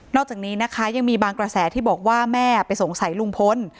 อกจากนี้นะคะยังมีบางกระแสที่บอกว่าแม่ไปสงสัยลุงพล